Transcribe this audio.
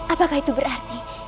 apakah itu berarti